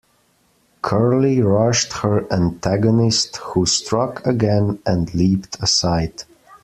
Curly rushed her antagonist, who struck again and leaped aside.